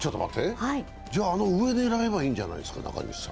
じゃ、あの上、狙えばいいんじゃないですか？